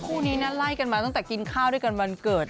คู่นี้นะไล่กันมาตั้งแต่กินข้าวด้วยกันวันเกิด